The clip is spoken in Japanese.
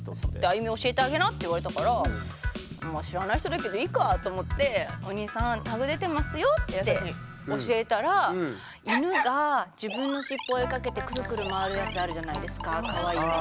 「安祐美教えてあげな」って言われたから知らない人だけどいいかと思ってって教えたら犬が自分の尻尾追いかけてクルクル回るやつあるじゃないですかかわいいの。